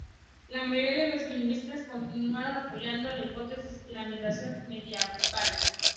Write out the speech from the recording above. La mayoría de los lingüistas continúan apoyando la hipótesis de la migración medieval.